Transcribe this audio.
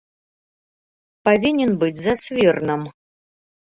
Павінен быць за свірнам.